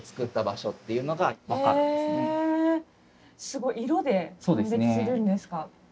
すごい色で判別するんですか。